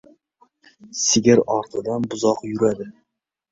• Sigir ortidan buzoq yuradi.